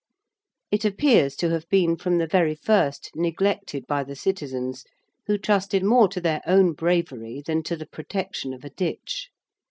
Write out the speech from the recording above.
It appears to have been from the very first neglected by the citizens, who trusted more to their own bravery than to the protection of a ditch.